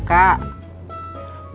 bukan gak suka